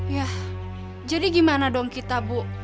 ya jadi gimana dong kita bu